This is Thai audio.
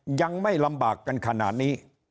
โควิดใหม่ยังไม่ลำบากกันขนาดนี้